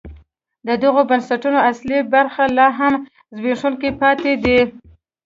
د دغو بنسټونو اصلي برخې لا هم زبېښونکي پاتې دي.